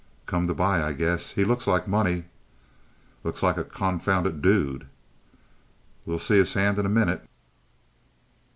"Come to buy, I guess. He looks like money." "Looks like a confounded dude." "We'll see his hand in a minute."